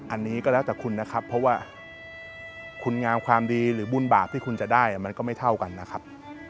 อันนี้ก็แล้วแต่คุณนะครับเพราะว่าคุณงามความดีหรือบุญบาปที่คุณจะได้มันก็ไม่เท่ากันนะครับ